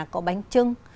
có bánh trưng